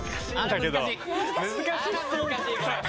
難しい。